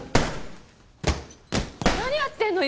何やってんの？